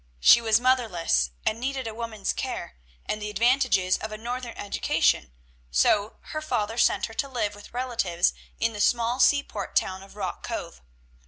She was motherless, and needed a woman's care, and the advantages of a Northern education, so her father sent her to live with relatives in the small seaport town of Rock Cove.